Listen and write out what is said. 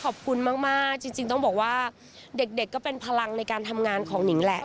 ขอบคุณมากจริงต้องบอกว่าเด็กก็เป็นพลังในการทำงานของหนิงแหละ